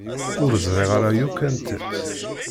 Ur ẓriɣ ara yakk anta-tt.